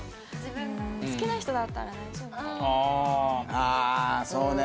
ああそうね。